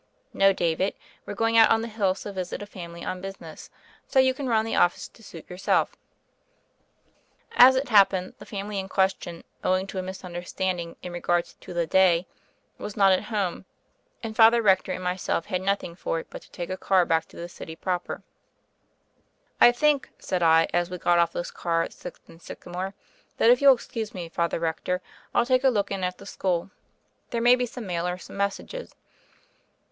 "No, David: we're going out on the hills to visit a family on business; so you can run the office to suit yourself." As it happened, the family in question, owing to a misunderstanding in regard to the day, was not at home, and Father Rector and myself had nothing for it but to take a car back to the city proper. 134 THE FAIRY OF THE SNOWS "I think," said I, as wc got off the car at Sixth and Sycamore, "that if you'll excuse me, Father Rector, I'll take a look in at the school. There may be some mail or some messages."